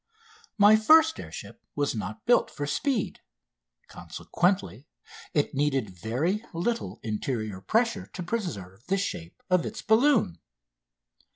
My first air ship was not built for speed consequently, it needed very little interior pressure to preserve the shape of its balloon.